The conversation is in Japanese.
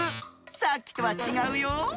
さっきとはちがうよ。